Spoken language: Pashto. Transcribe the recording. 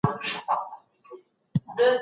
ادئبان د ټولني د دردونو رښتیني انځورګران دي.